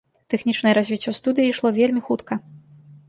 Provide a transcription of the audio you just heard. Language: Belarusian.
Тэхнічнае развіццё студыі ішло вельмі хутка.